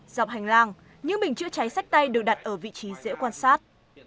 dọc hành lang những bình chữa cháy sách tay được đặt ở vị trí dễ quan sát